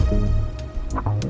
terima kasih pak chandra